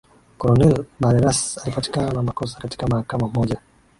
Coronel Barreras alipatikana na makosa katika mahakama moja